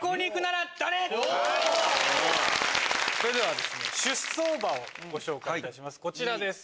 それでは出走馬をご紹介いたします